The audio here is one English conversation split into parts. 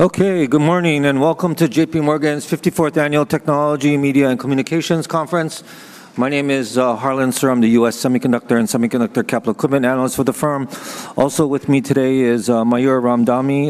Okay, good morning, welcome to J.P. Morgan's 54th Annual Technology, Media, and Communications Conference. My name is Harlan Sur. I'm the U.S. Semiconductor and Semiconductor Capital Equipment Analyst for the firm. Also with me today is Mayur Ramdhani.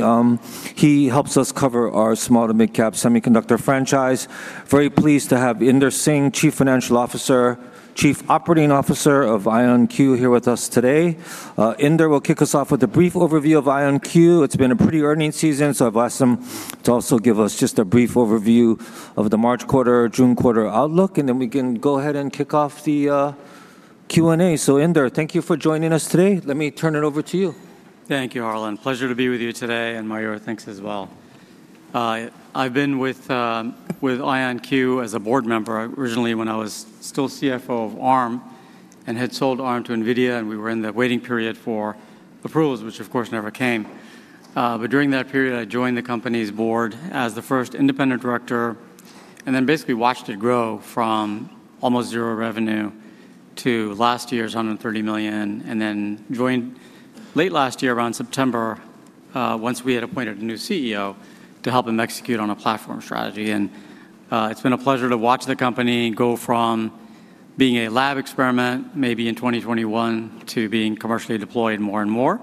He helps us cover our small to midcap semiconductor franchise. Very pleased to have Inder Singh, Chief Financial Officer, Chief Operating Officer of IonQ here with us today. Inder will kick us off with a brief overview of IonQ. It's been a pretty earnings season, so I've asked him to also give us just a brief overview of the March quarter, June quarter outlook, and then we can go ahead and kick off the Q&A. Inder, thank you for joining us today. Let me turn it over to you. Thank you, Harlan. Pleasure to be with you today, and Mayur, thanks as well. I've been with IonQ as a board member originally when I was still CFO of Arm and had sold Arm to NVIDIA, and we were in the waiting period for approvals, which of course never came. During that period, I joined the company's board as the first independent director and then basically watched it grow from almost zero revenue to last year's $130 million, and then joined late last year around September, once we had appointed a new CEO to help him execute on a platform strategy. It's been a pleasure to watch the company go from being a lab experiment maybe in 2021 to being commercially deployed more and more.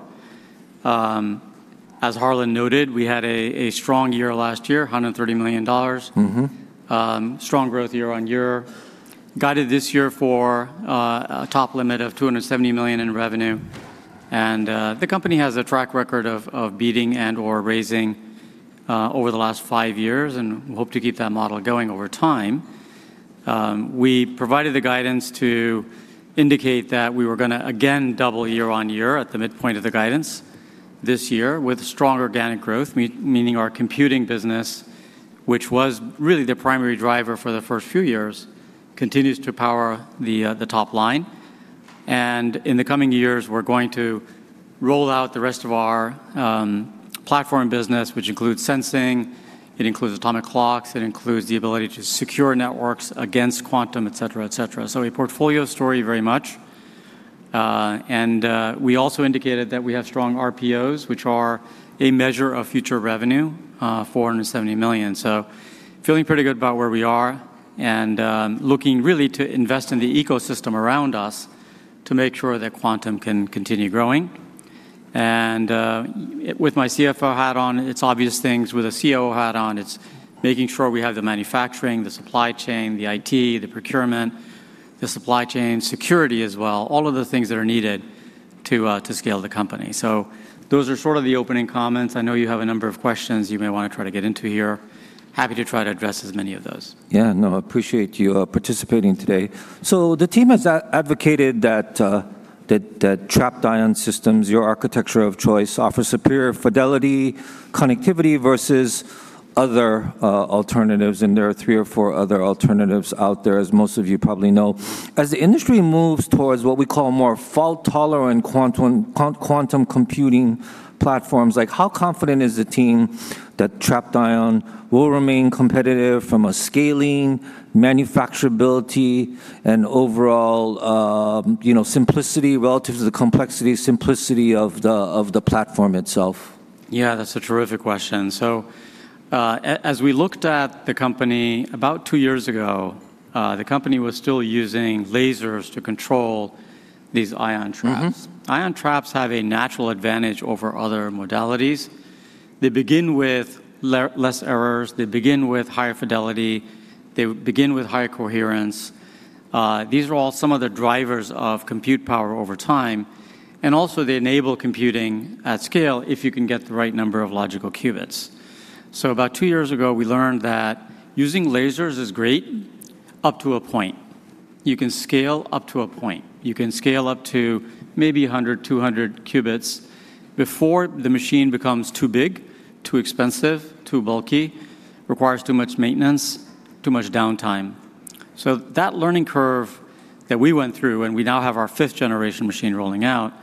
As Harlan noted, we had a strong year last year, $130 million. Strong growth year-over-year. Guided this year for a top limit of $270 million in revenue. The company has a track record of beating and/or raising over the last 5 years and hope to keep that model going over time. We provided the guidance to indicate that we were going to again double year-over-year at the midpoint of the guidance this year with strong organic growth, meaning our computing business, which was really the primary driver for the first few years, continues to power the top line. In the coming years, we're going to roll out the rest of our platform business, which includes sensing, it includes atomic clocks, it includes the ability to secure networks against quantum, et cetera, et cetera. A portfolio story very much. We also indicated that we have strong RPOs, which are a measure of future revenue, $470 million. Feeling pretty good about where we are and looking really to invest in the ecosystem around us to make sure that quantum can continue growing. With my CFO hat on, it's obvious things. With a CEO hat on, it's making sure we have the manufacturing, the supply chain, the IT, the procurement, the supply chain security as well, all of the things that are needed to scale the company. Those are sort of the opening comments. I know you have a number of questions you may wanna try to get into here. Happy to try to address as many of those. Yeah, no, appreciate you, participating today. The team has advocated that trapped ion systems, your architecture of choice, offer superior fidelity connectivity versus other alternatives, and there are three or four other alternatives out there, as most of you probably know. As the industry moves towards what we call more fault-tolerant quantum computing platforms, like how confident is the team that trapped ion will remain competitive from a scaling, manufacturability, and overall, you know, simplicity relative to the complexity, simplicity of the platform itself? Yeah, that's a terrific question. As we looked at the company about two years ago, the company was still using lasers to control these ion traps. Ion traps have a natural advantage over other modalities. They begin with less errors. They begin with higher fidelity. They begin with higher coherence. These are all some of the drivers of compute power over time. Also they enable computing at scale if you can get the right number of logical qubits. About two years ago, we learned that using lasers is great up to a point. You can scale up to a point. You can scale up to maybe 100, 200 qubits before the machine becomes too big, too expensive, too bulky, requires too much maintenance, too much downtime. That learning curve that we went through, and we now have our fifth-generation machine rolling out,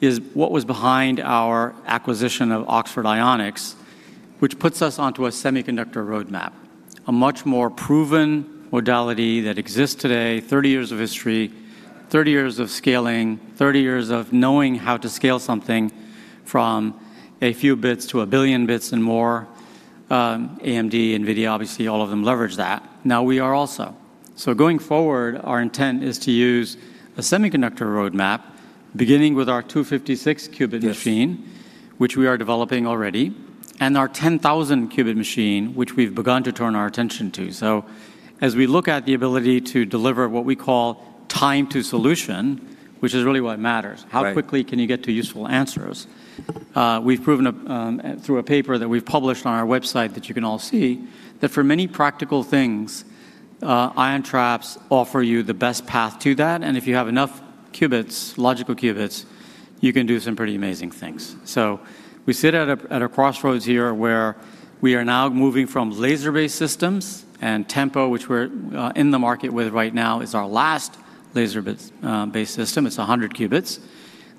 is what was behind our acquisition of Oxford Ionics, which puts us onto a semiconductor roadmap, a much more proven modality that exists today, 30 years of history, 30 years of scaling, 30 years of knowing how to scale something from a few bits to 1 billion bits and more. AMD, Nvidia, obviously all of them leverage that. Now we are also. Going forward, our intent is to use a semiconductor roadmap beginning with our 256-qubit machine. Yes which we are developing already, and our 10,000 qubit machine, which we've begun to turn our attention to. As we look at the ability to deliver what we call time to solution, which is really what matters. Right how quickly can you get to useful answers, we've proven, through a paper that we've published on our website that you can all see, that for many practical things, ion traps offer you the best path to that, and if you have enough qubits, logical qubits, you can do some pretty amazing things. We sit at a, at a crossroads here where we are now moving from laser-based systems and Tempo, which we're in the market with right now, is our last laser based system. It's 100 qubits.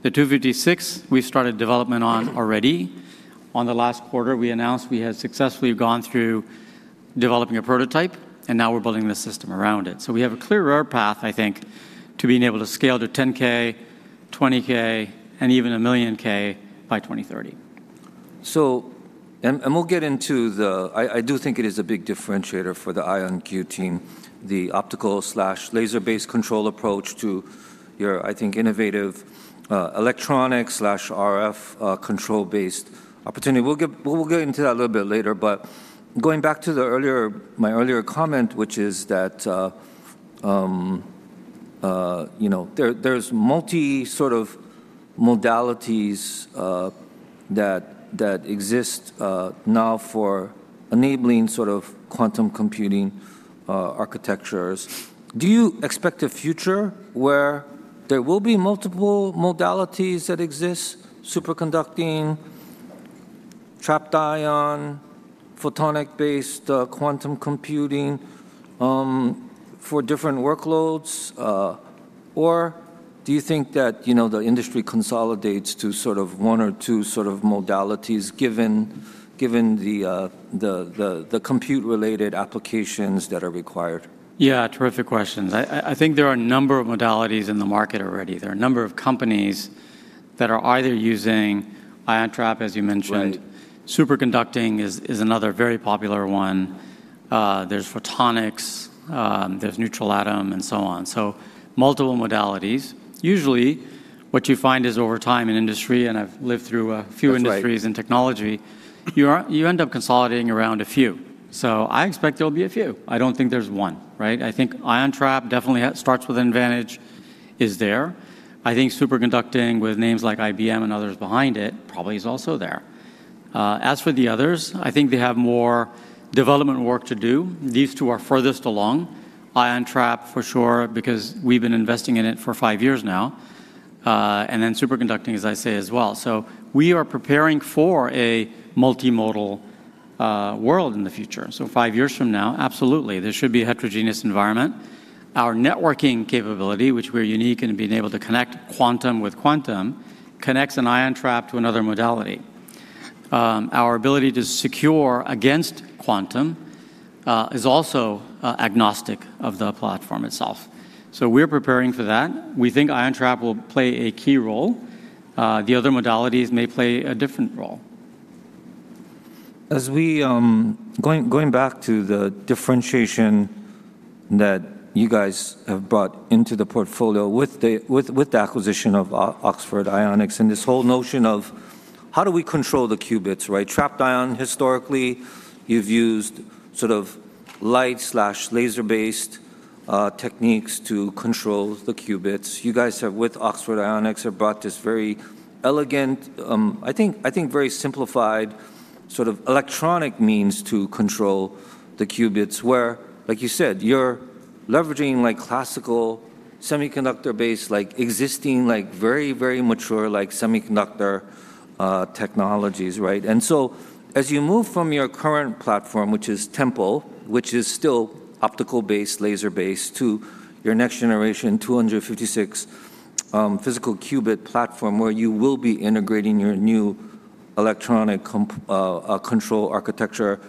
The 256 we've started development on already. On the last quarter, we announced we had successfully gone through developing a prototype, and now we're building the system around it. We have a clear path, I think, to being able to scale to 10K, 20K, and even 1 million qubits by 2030. We'll get into the, I do think it is a big differentiator for the IonQ team, the optical/laser-based control approach to your, I think, innovative, electronic/RF, control-based opportunity. We'll get into that a little bit later, going back to the earlier, my earlier comment, which is that, you know, there's multi sort of modalities that exist now for enabling sort of quantum computing architectures. Do you expect a future where there will be multiple modalities that exist, superconducting, trapped ion, photonic-based quantum computing, for different workloads? Do you think that, you know, the industry consolidates to sort of one or two sort of modalities given the compute related applications that are required? Yeah. Terrific questions. I think there are a number of modalities in the market already. There are a number of companies that are either using ion trap, as you mentioned. Right. Superconducting is another very popular one. There's photonics, there's neutral atom, and so on. Multiple modalities. Usually, what you find is over time in industry, and I've lived through a few. That's right. industries and technology, you end up consolidating around a few. I expect there'll be a few. I don't think there's one, right? I think ion trap definitely starts with an advantage, is there. I think superconducting with names like IBM and others behind it probably is also there. As for the others, I think they have more development work to do. These two are furthest along. Ion trap for sure, because we've been investing in it for five years now, and then superconducting, as I say, as well. We are preparing for a multimodal world in the future. Five years from now, absolutely, this should be a heterogeneous environment. Our networking capability, which we're unique in being able to connect quantum with quantum, connects an ion trap to another modality. Our ability to secure against quantum is also agnostic of the platform itself. We're preparing for that. We think ion trap will play a key role. The other modalities may play a different role. Going back to the differentiation that you guys have brought into the portfolio with the acquisition of Oxford Ionics and this whole notion of how do we control the qubits, right? Trapped ion historically, you've used sort of light/laser-based techniques to control the qubits. You guys have, with Oxford Ionics, have brought this very elegant, I think very simplified sort of electronic means to control the qubits where, like you said, you're leveraging like classical semiconductor-based, like existing, like very mature like semiconductor technologies, right? As you move from your current platform, which is Tempo, which is still optical based, laser based, to your next generation 256 physical qubit platform where you will be integrating your new electronic control architecture,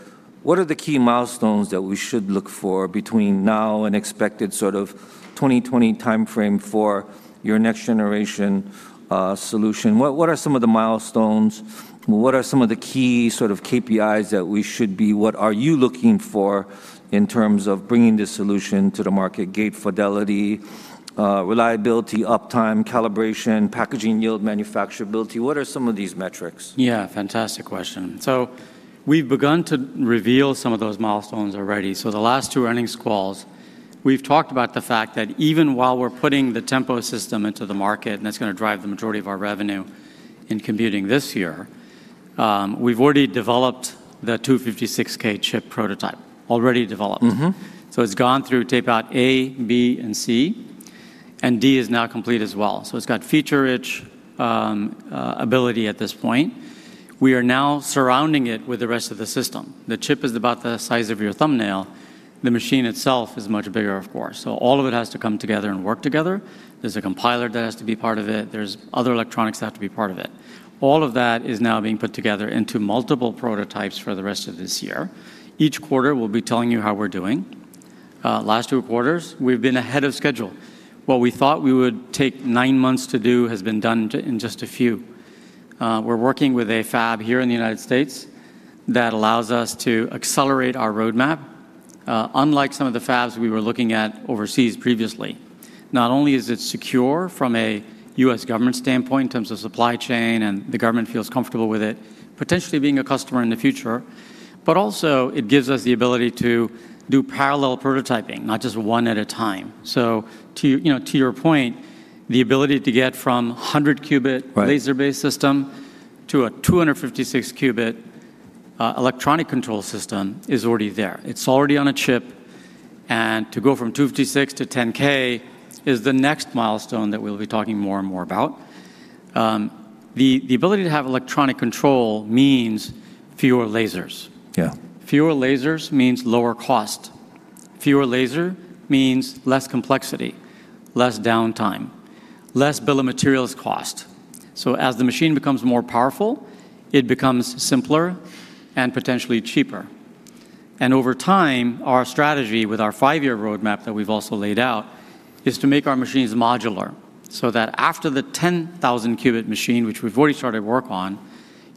what are the key milestones that we should look for between now and expected sort of 2020 timeframe for your next generation solution? What are some of the milestones? What are some of the key sort of KPIs that we should be looking for in terms of bringing this solution to the market? Gate fidelity, reliability, uptime, calibration, packaging yield, manufacturability. What are some of these metrics? Yeah. Fantastic question. We've begun to reveal some of those milestones already. The last two earnings calls, we've talked about the fact that even while we're putting the Tempo system into the market, and that's gonna drive the majority of our revenue in computing this year, we've already developed the 256-qubit system prototype. Already developed. It's gone through tape-out A, B, and C, and D is now complete as well. It's got feature-rich ability at this point. We are now surrounding it with the rest of the system. The chip is about the size of your thumbnail. The machine itself is much bigger, of course. All of it has to come together and work together. There's a compiler that has to be part of it. There's other electronics that have to be part of it. All of that is now being put together into multiple prototypes for the rest of this year. Each quarter we'll be telling you how we're doing. Last two quarters we've been ahead of schedule. What we thought we would take nine months to do has been done in just a few. We're working with a fab here in the U.S. that allows us to accelerate our roadmap, unlike some of the fabs we were looking at overseas previously. Not only is it secure from a U.S. government standpoint in terms of supply chain, and the government feels comfortable with it potentially being a customer in the future, but also it gives us the ability to do parallel prototyping, not just one at a time. To, you know, to your point, the ability to get from 100 qubit. Right laser-based system to a 256-qubit electronic control system is already there. It's already on a chip. To go from 256 to 10K is the next milestone that we'll be talking more and more about. The ability to have electronic control means fewer lasers. Yeah. Fewer lasers means lower cost. Fewer lasers means less complexity, less downtime, less bill of materials cost. As the machine becomes more powerful, it becomes simpler and potentially cheaper. Over time, our strategy with our five-year roadmap that we've also laid out is to make our machines modular so that after the 10,000 qubit machine, which we've already started work on,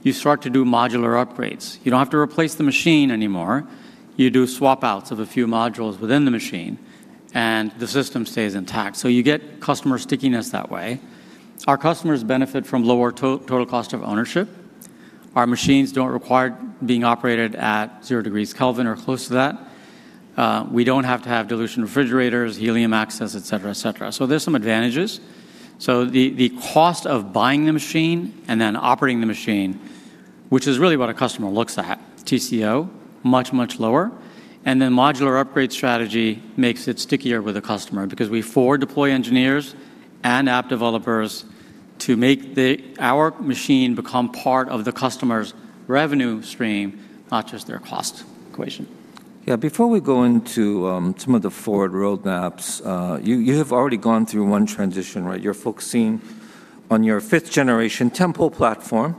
you start to do modular upgrades. You don't have to replace the machine anymore. You do swap outs of a few modules within the machine, and the system stays intact. You get customer stickiness that way. Our customers benefit from lower total cost of ownership. Our machines don't require being operated at zero degrees Kelvin or close to that. We don't have to have dilution refrigerators, helium access, et cetera, et cetera. There's some advantages. The cost of buying the machine and then operating the machine, which is really what a customer looks at, TCO, much, much lower. Modular upgrade strategy makes it stickier with a customer because we forward deploy engineers and app developers to make our machine become part of the customer's revenue stream, not just their cost equation. Yeah. Before we go into some of the forward roadmaps, you have already gone through one transition, right? You're focusing on your 5th generation Tempo platform,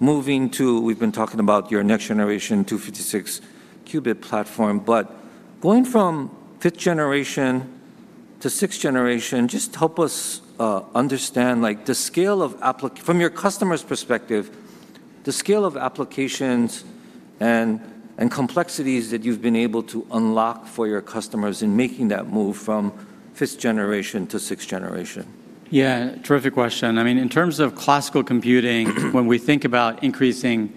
moving to, we've been talking about your next generation 256-qubit platform. Going from fifthth generation to sixth generation, just help us understand, like the scale of applications and complexities that you've been able to unlock for your customers in making that move from fifthth generation to sixth generation. Terrific question. I mean, in terms of classical computing, when we think about increasing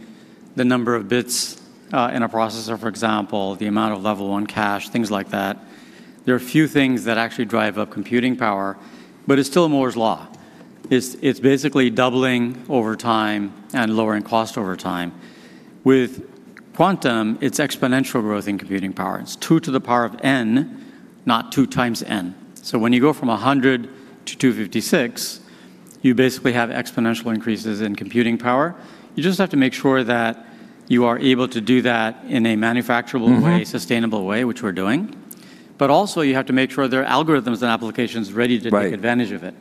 the number of bits in a processor, for example, the amount of level one cache, things like that, there are a few things that actually drive up computing power, but it's still Moore's Law. It's basically doubling over time and lowering cost over time. With quantum, it's exponential growth in computing power. It's two to the power of N, not 2x N. When you go from 100 to 256, you basically have exponential increases in computing power. You just have to make sure that you are able to do that in a manufacturable way. sustainable way, which we're doing. Also you have to make sure there are algorithms and applications ready to take advantage of it.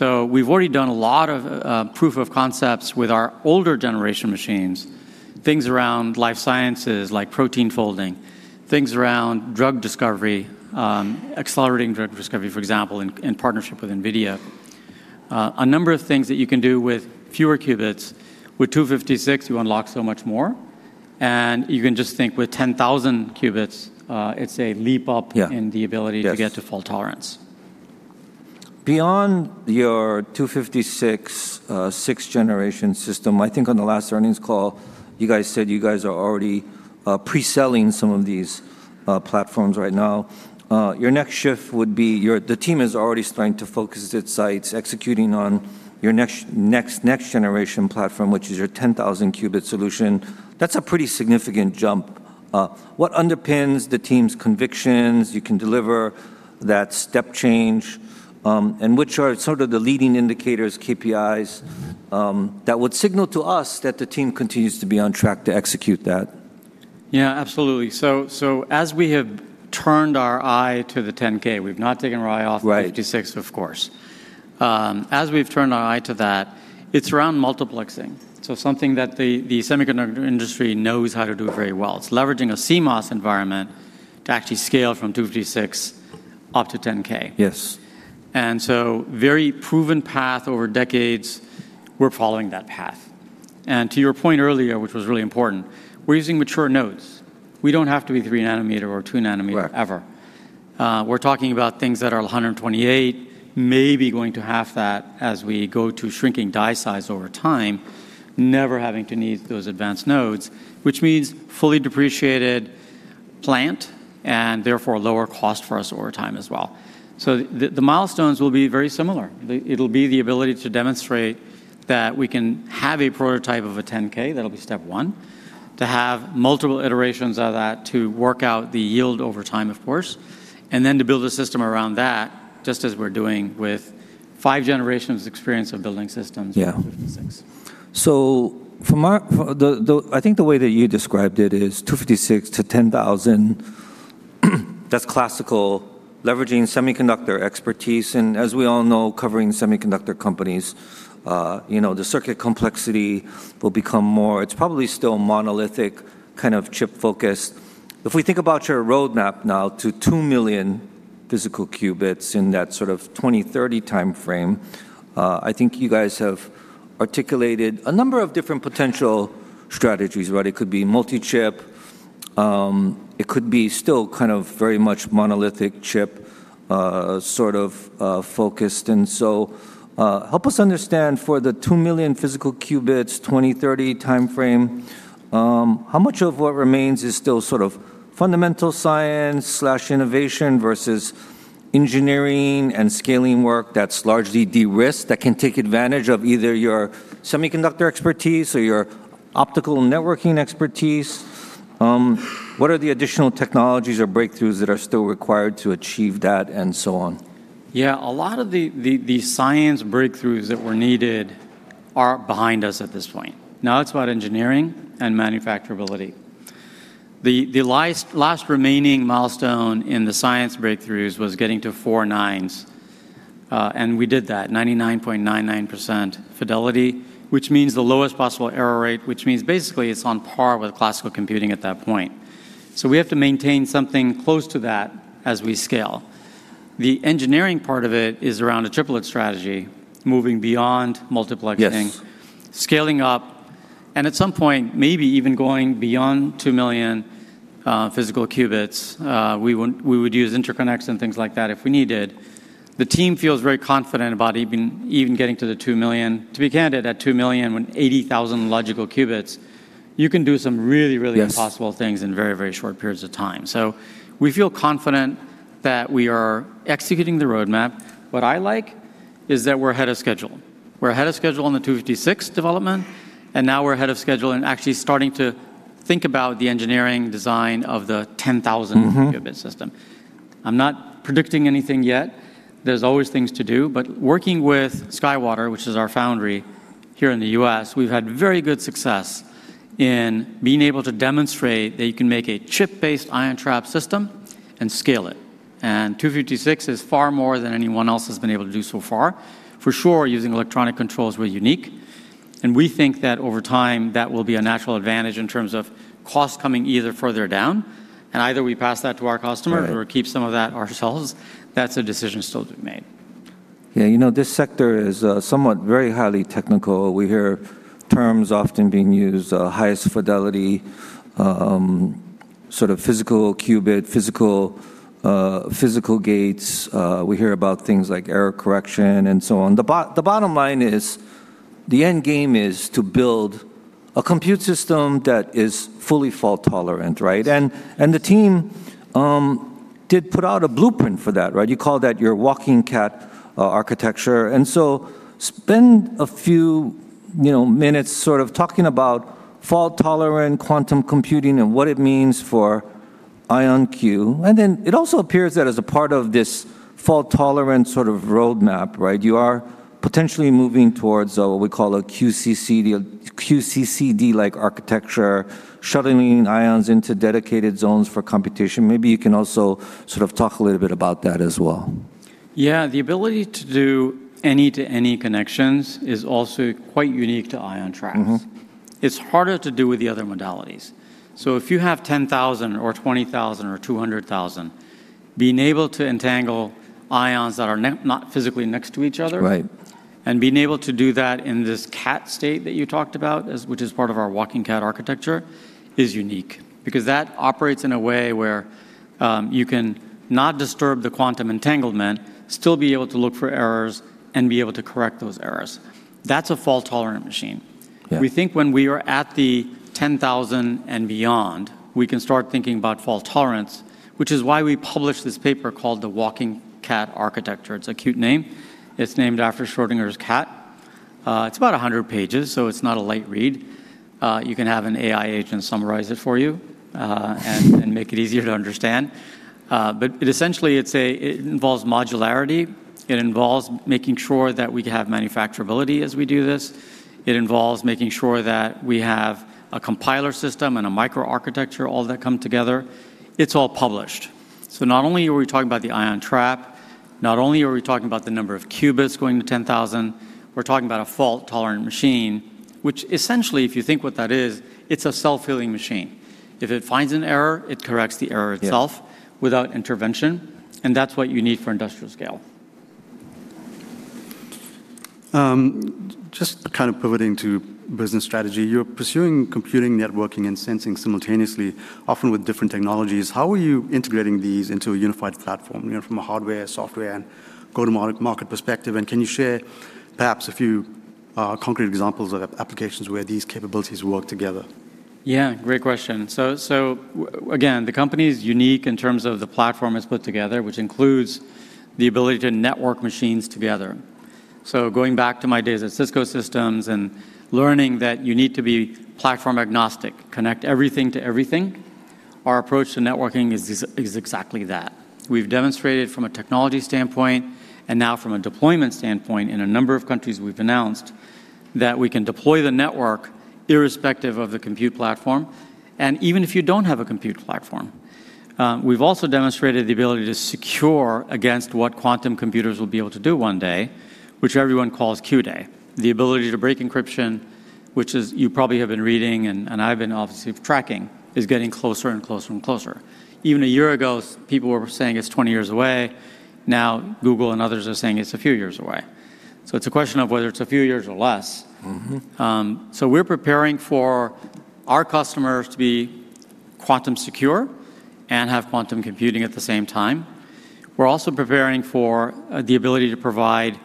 Right. We've already done a lot of proof of concepts with our older generation machines, things around life sciences like protein folding, things around drug discovery, accelerating drug discovery, for example, in partnership with Nvidia. A number of things that you can do with fewer qubits. With 256, you unlock so much more, and you can just think with 10,000 qubits, it's a leap up. Yeah in the ability- Yes to get to fault tolerance. Beyond your 256-qubit system, I think on the last earnings call, you said you are already pre-selling some of these platforms right now. Your next shift would be the team is already starting to focus its sights executing on your next-generation platform, which is your 10,000 qubit solution. That's a pretty significant jump. What underpins the team's convictions you can deliver that step change, and which are sort of the leading indicators, KPIs, that would signal to us that the team continues to be on track to execute that? Yeah, absolutely. As we have turned our eye to the 10K. Right 56, of course. As we've turned our eye to that, it's around multiplexing, so something that the semiconductor industry knows how to do very well. It's leveraging a CMOS environment to actually scale from 256 up to 10K. Yes. Very proven path over decades, we're following that path. To your point earlier, which was really important, we're using mature nodes. We don't have to be three nanometer or two nanometer. Right ever. We're talking about things that are 128, maybe going to half that as we go to shrinking die size over time, never having to need those advanced nodes, which means fully depreciated plant and therefore lower cost for us over time as well. The milestones will be very similar. It'll be the ability to demonstrate that we can have a prototype of a 10K. That'll be step one. To have multiple iterations of that to work out the yield over time, of course. Then to build a system around that, just as we're doing with 5 generations experience of building systems. Yeah for 56. I think the way that you described it is 256-10,000, that's classical leveraging semiconductor expertise. As we all know, covering semiconductor companies, you know, the circuit complexity will become more. It's probably still monolithic, kind of chip-focused. If we think about your roadmap now to 2 million physical qubits in that sort of 2030 timeframe, I think you guys have articulated a number of different potential strategies, right? It could be multi-chip. It could be still kind of very much monolithic chip, sort of focused. Help us understand for the 2 million physical qubits, 2030 timeframe, how much of what remains is still sort of fundamental science slash innovation versus engineering and scaling work that's largely de-risked, that can take advantage of either your semiconductor expertise or your optical networking expertise? What are the additional technologies or breakthroughs that are still required to achieve that, and so on? Yeah, a lot of the science breakthroughs that were needed are behind us at this point. Now it's about engineering and manufacturability. The last remaining milestone in the science breakthroughs was getting to four nines, and we did that, 99.99% fidelity, which means the lowest possible error rate, which means basically it's on par with classical computing at that point. We have to maintain something close to that as we scale. The engineering part of it is around a chiplet strategy, moving beyond multiplexing. Yes scaling up, and at some point, maybe even going beyond 2 million physical qubits. We would use interconnects and things like that if we needed. The team feels very confident about even getting to the two million. To be candid, at two million, when 80,000 logical qubits, you can do some really. Yes impossible things in very, very short periods of time. We feel confident that we are executing the roadmap. What I like is that we're ahead of schedule. We're ahead of schedule on the 256 development, and now we're ahead of schedule and actually starting to think about the engineering design of the 10,000- qubit system. I'm not predicting anything yet. There's always things to do. Working with SkyWater, which is our foundry here in the U.S., we've had very good success in being able to demonstrate that you can make a chip-based ion trap system and scale it. 256 is far more than anyone else has been able to do so far. For sure, using electronic controls, we're unique, and we think that over time, that will be a natural advantage in terms of cost coming either further down, and either we pass that to our customers. Right Keep some of that ourselves. That's a decision still to be made. You know, this sector is somewhat very highly technical. We hear terms often being used, highest fidelity, sort of physical qubit, physical gates. We hear about things like error correction and so on. The bottom line is the end game is to build a compute system that is fully fault-tolerant, right? The team did put out a blueprint for that, right? You call that your Walking Cat architecture. Spend a few, you know, minutes sort of talking about fault-tolerant quantum computing and what it means for IonQ. It also appears that as a part of this fault-tolerant sort of roadmap, right, you are potentially moving towards what we call a QCCD-like architecture, shuttling ions into dedicated zones for computation. Maybe you can also sort of talk a little bit about that as well. Yeah. The ability to do any-to-any connections is also quite unique to ion traps. It's harder to do with the other modalities. If you have 10,000 or 20,000 or 200,000, being able to entangle ions that are not physically next to each other. Right Being able to do that in this cat state that you talked about is, which is part of our Walking Cat architecture, is unique because that operates in a way where you can not disturb the quantum entanglement, still be able to look for errors, and be able to correct those errors. That is a fault-tolerant machine. Yeah. We think when we are at the 10,000 and beyond, we can start thinking about fault tolerance, which is why we published this paper called The Walking Cat architecture. It's a cute name. It's named after Schrödinger's cat. It's about 100 pages, so it's not a light read. You can have an AI agent summarize it for you and make it easier to understand. It essentially involves modularity. It involves making sure that we have manufacturability as we do this. It involves making sure that we have a compiler system and a microarchitecture, all that come together. It's all published. Not only are we talking about the ion trap, not only are we talking about the number of qubits going to 10,000, we're talking about a fault-tolerant machine, which essentially, if you think what that is, it's a self-healing machine. If it finds an error, it corrects the error itself. Yeah without intervention, and that's what you need for industrial scale. Just kind of pivoting to business strategy. You're pursuing computing, networking, and sensing simultaneously, often with different technologies. How are you integrating these into a unified platform, you know, from a hardware, software, and go-to-market perspective? Can you share perhaps a few concrete examples of applications where these capabilities work together? Yeah, great question. Again, the company is unique in terms of the platform it's put together, which includes the ability to network machines together. Going back to my days at Cisco Systems and learning that you need to be platform agnostic, connect everything to everything, our approach to networking is exactly that. We've demonstrated from a technology standpoint, and now from a deployment standpoint in a number of countries we've announced, that we can deploy the network irrespective of the compute platform, and even if you don't have a compute platform. We've also demonstrated the ability to secure against what quantum computers will be able to do one day, which everyone calls Q-day. The ability to break encryption, which you probably have been reading and I've been obviously tracking, is getting closer and closer and closer. Even a year ago, people were saying it's 20 years away. Now Google and others are saying it's a few years away. It's a question of whether it's a few years or less. We're preparing for our customers to be quantum secure and have quantum computing at the same time. We're also preparing for the ability to provide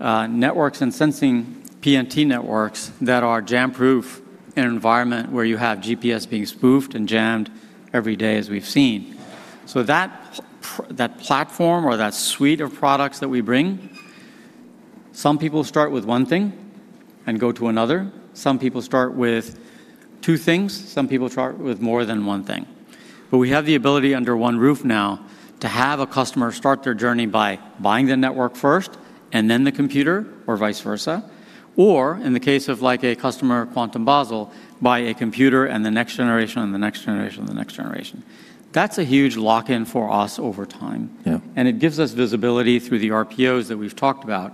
networks and sensing PNT networks that are jam-proof in an environment where you have GPS being spoofed and jammed every day as we've seen. That platform or that suite of products that we bring. Some people start with one thing and go to another. Some people start with two things. Some people start with more than one thing. We have the ability under one roof now to have a customer start their journey by buying the network first and then the computer or vice versa. Or in the case of like a customer of QuantumBasel, buy a computer and the next generation and the next generation and the next generation. That's a huge lock-in for us over time. Yeah. It gives us visibility through the RPOs that we've talked about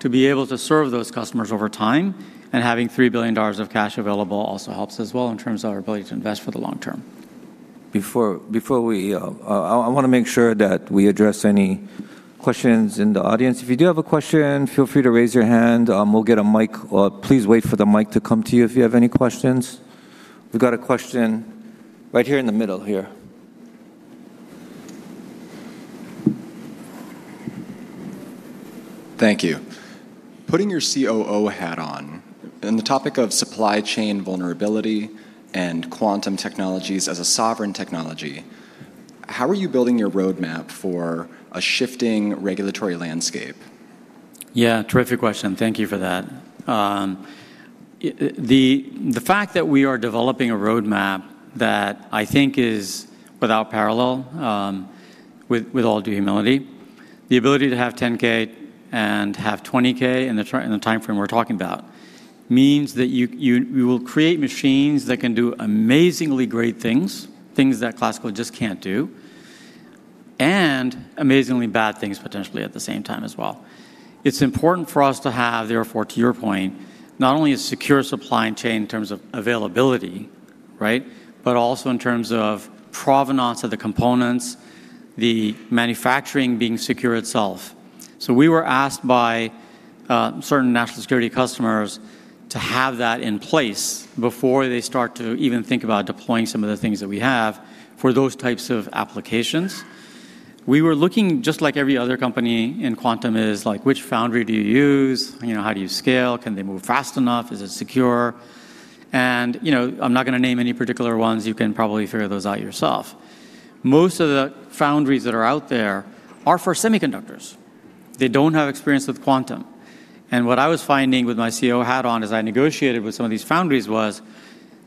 to be able to serve those customers over time, having $3 billion of cash available also helps as well in terms of our ability to invest for the long term. Before we wanna make sure that we address any questions in the audience. If you do have a question, feel free to raise your hand. We'll get a mic. Please wait for the mic to come to you if you have any questions. We've got a question right here in the middle here. Thank you. Putting your COO hat on, the topic of supply chain vulnerability and quantum technologies as a sovereign technology, how are you building your roadmap for a shifting regulatory landscape? Yeah, terrific question. Thank you for that. The fact that we are developing a roadmap that I think is without parallel, with all due humility, the ability to have 10,000 and have 20,000 in the timeframe we're talking about means that you will create machines that can do amazingly great things that classical just can't do, and amazingly bad things potentially at the same time as well. It's important for us to have, therefore, to your point, not only a secure supply chain in terms of availability, right, but also in terms of provenance of the components, the manufacturing being secure itself. We were asked by certain national security customers to have that in place before they start to even think about deploying some of the things that we have for those types of applications. We were looking just like every other company in quantum is, like, which foundry do you use? You know, how do you scale? Can they move fast enough? Is it secure? You know, I'm not gonna name any particular ones. You can probably figure those out yourself. Most of the foundries that are out there are for semiconductors. They don't have experience with quantum. What I was finding with my CEO hat on as I negotiated with some of these foundries was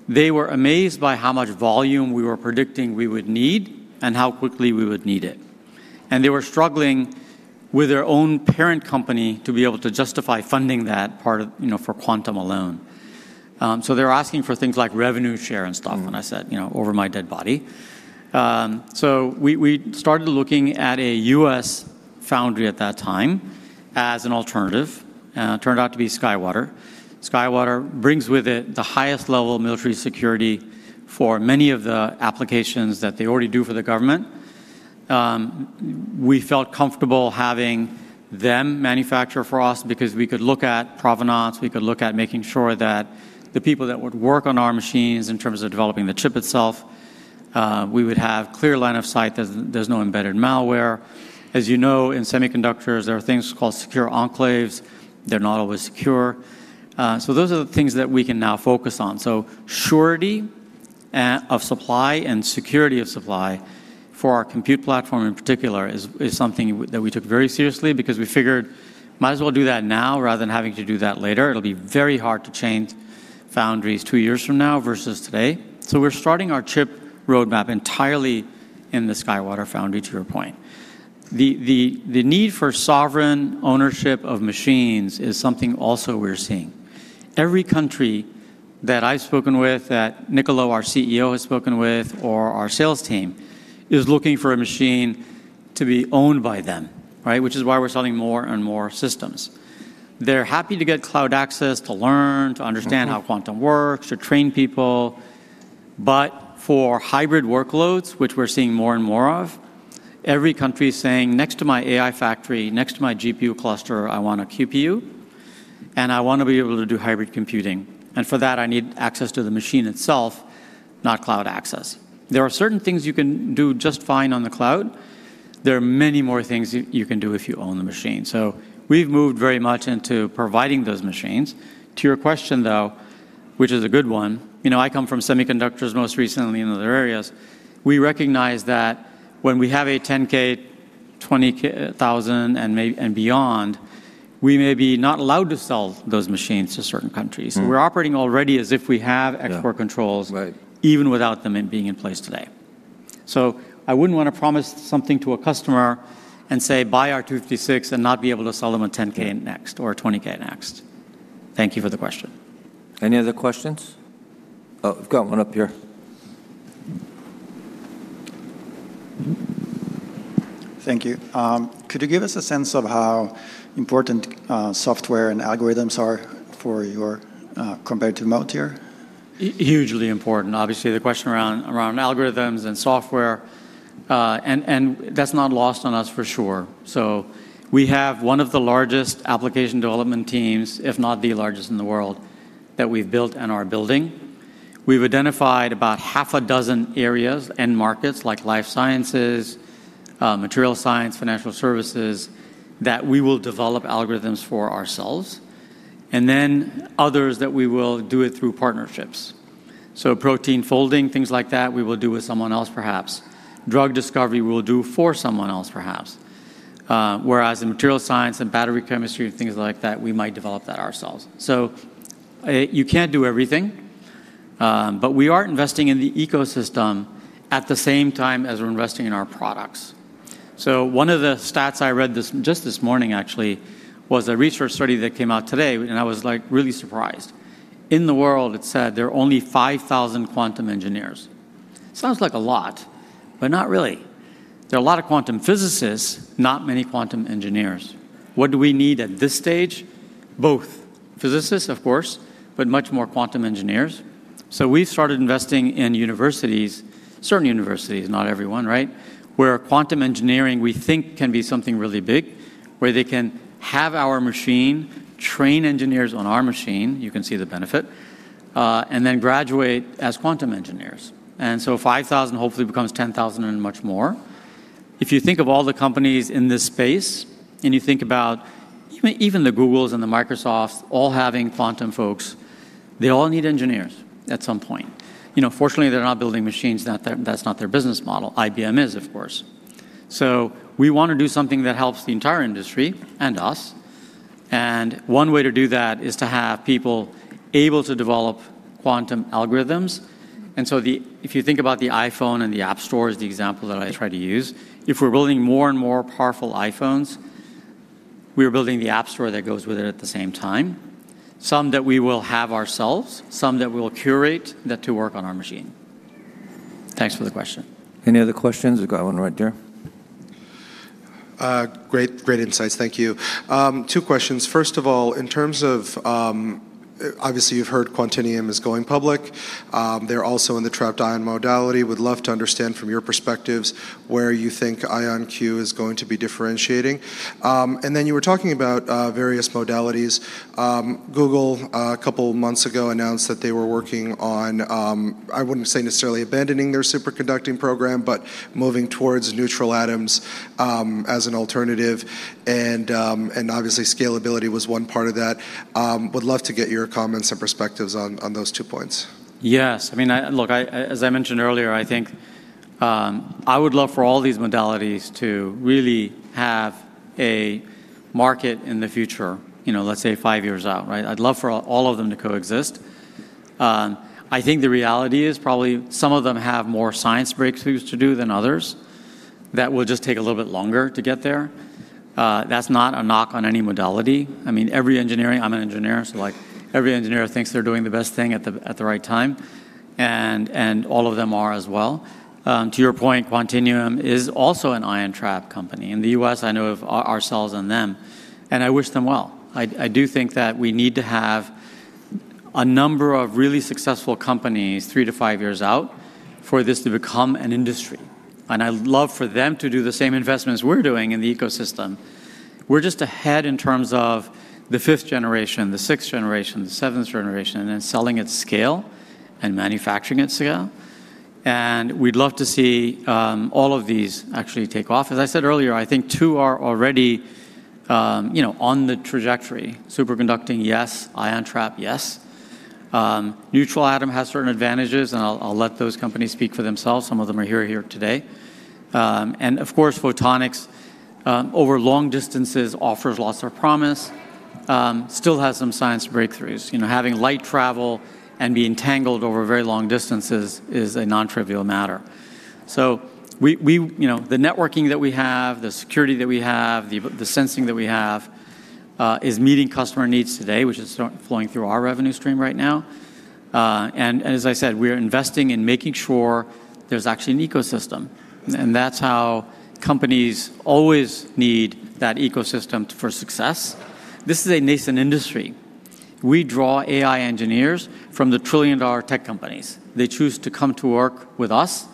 they were amazed by how much volume we were predicting we would need and how quickly we would need it. They were struggling with their own parent company to be able to justify funding that part of, you know, for quantum alone. They're asking for things like revenue share and stuff. I said, you know, "Over my dead body." We started looking at a U.S. foundry at that time as an alternative, and it turned out to be SkyWater. SkyWater brings with it the highest level of military security for many of the applications that they already do for the government. We felt comfortable having them manufacture for us because we could look at provenance, we could look at making sure that the people that would work on our machines in terms of developing the chip itself, we would have clear line of sight that there's no embedded malware. As you know, in semiconductors, there are things called secure enclaves. They're not always secure. Those are the things that we can now focus on. Surety of supply and security of supply for our compute platform in particular is something that we took very seriously because we figured might as well do that now rather than having to do that later. It'll be very hard to change foundries two years from now versus today. We're starting our chip roadmap entirely in the SkyWater foundry, to your point. The need for sovereign ownership of machines is something also we're seeing. Every country that I've spoken with, that Niccolo, our CEO, has spoken with or our sales team, is looking for a machine to be owned by them, right? Which is why we're selling more and more systems. They're happy to get cloud access to learn, to understand how quantum works, to train people. For hybrid workloads, which we're seeing more and more of, every country is saying, "Next to my AI factory, next to my GPU cluster, I want a QPU, and I wanna be able to do hybrid computing. For that, I need access to the machine itself, not cloud access." There are certain things you can do just fine on the cloud. There are many more things you can do if you own the machine. We've moved very much into providing those machines. To your question, though, which is a good one, you know, I come from semiconductors most recently and other areas, we recognize that when we have a 10K, 20,000 and beyond, we may be not allowed to sell those machines to certain countries. We're operating already as if we have export controls. Yeah. Right. even without them being in place today. I wouldn't wanna promise something to a customer and say, "Buy our 256," and not be able to sell them a 10K next or a 20K next. Thank you for the question. Any other questions? Oh, we've got one up here. Thank you. Could you give us a sense of how important software and algorithms are for your comparative multiyear? Hugely important. Obviously, the question around algorithms and software, and that's not lost on us for sure. We have 1 of the largest application development teams, if not the largest in the world, that we've built and are building. We've identified about half a dozen areas and markets like life sciences, material science, financial services, that we will develop algorithms for ourselves. Others that we will do it through partnerships. Protein folding, things like that, we will do with someone else perhaps. Drug discovery we'll do for someone else perhaps. Whereas in material science and battery chemistry and things like that, we might develop that ourselves. You can't do everything, but we are investing in the ecosystem at the same time as we're investing in our products. One of the stats I read this, just this morning actually, was a research study that came out today, and I was, like, really surprised. In the world, it said, there are only 5,000 quantum engineers. Sounds like a lot, but not really. There are a lot of quantum physicists, not many quantum engineers. What do we need at this stage? Both. Physicists, of course, but much more quantum engineers. We've started investing in universities, certain universities, not every one, right? Where quantum engineering, we think, can be something really big, where they can have our machine, train engineers on our machine, you can see the benefit, and then graduate as quantum engineers. 5,000 hopefully becomes 10,000 and much more. If you think of all the companies in this space, and you think about even the Googles and the Microsofts all having quantum folks, they all need engineers at some point. You know, fortunately, they're not building machines, that's not their business model. IBM is, of course. We wanna do something that helps the entire industry and us, and one way to do that is to have people able to develop quantum algorithms. If you think about the iPhone and the App Store as the example that I try to use, if we're building more and more powerful iPhones, we are building the App Store that goes with it at the same time. Some that we will have ourselves, some that we will curate that to work on our machine. Thanks for the question. Any other questions? We've got one right there. Great, great insights. Thank you. Two questions. First of all, in terms of, obviously you've heard Quantinuum is going public. They're also in the trapped ion modality. Would love to understand from your perspectives where you think IonQ is going to be differentiating. You were talking about various modalities. Google, a couple of months ago, announced that they were working on, I wouldn't say necessarily abandoning their superconducting program, but moving towards neutral atoms as an alternative, obviously scalability was one part of that. Would love to get your comments and perspectives on those two points. Yes. I mean, Look, I, as I mentioned earlier, I think I would love for all these modalities to really have a market in the future, you know, let's say five years out, right? I'd love for all of them to coexist. I think the reality is probably some of them have more science breakthroughs to do than others that will just take a little bit longer to get there. That's not a knock on any modality. I mean, every engineer, I'm an engineer, so, like, every engineer thinks they're doing the best thing at the right time, and all of them are as well. To your point, Quantinuum is also an ion trap company. In the U.S., I know of ourselves and them, and I wish them well. I do think that we need to have a number of really successful companies three-five years out for this to become an industry. I'd love for them to do the same investments we're doing in the ecosystem. We're just ahead in terms of the fifth generation, the sixth generation, the seventh generation, and selling at scale and manufacturing at scale. We'd love to see all of these actually take off. As I said earlier, I think two are already, you know, on the trajectory. Superconducting, yes. Ion trap, yes. Neutral atom has certain advantages, and I'll let those companies speak for themselves. Some of them are here today. Of course, photonics over long distances offers lots of promise, still has some science breakthroughs. You know, having light travel and be entangled over very long distances is a non-trivial matter. You know, the networking that we have, the security that we have, the sensing that we have, is meeting customer needs today, which is flowing through our revenue stream right now. As I said, we're investing in making sure there's actually an ecosystem. That's how companies always need that ecosystem for success. This is a nascent industry. We draw AI engineers from the trillion-dollar tech companies. They choose to come to work with us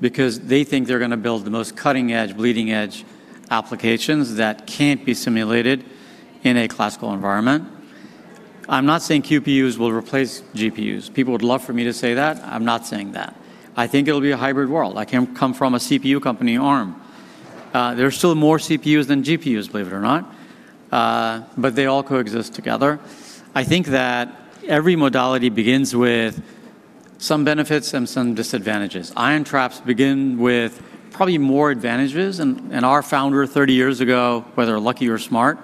because they think they're gonna build the most cutting-edge, bleeding-edge applications that can't be simulated in a classical environment. I'm not saying QPUs will replace GPUs. People would love for me to say that. I'm not saying that. I think it'll be a hybrid world. I come from a CPU company, Arm. There are still more CPUs than GPUs, believe it or not. They all coexist together. I think that every modality begins with some benefits and some disadvantages. Ion traps begin with probably more advantages, and our founder 30 years ago, whether lucky or smart,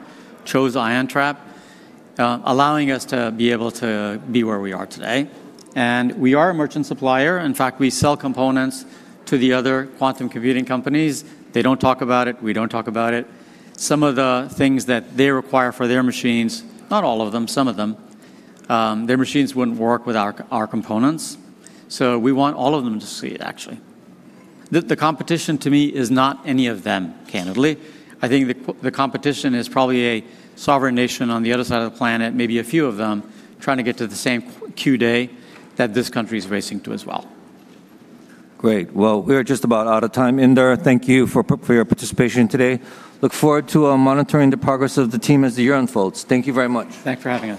chose ion trap, allowing us to be able to be where we are today. We are a merchant supplier. In fact, we sell components to the other quantum computing companies. They don't talk about it, we don't talk about it. Some of the things that they require for their machines, not all of them, some of them, their machines wouldn't work with our components. We want all of them to succeed, actually. The competition to me is not any of them, candidly. I think the competition is probably a sovereign nation on the other side of the planet, maybe a few of them, trying to get to the same Q-day that this country is racing to as well. Great. Well, we're just about out of time. Inder, thank you for your participation today. Look forward to monitoring the progress of the team as the year unfolds. Thank you very much. Thanks for having us.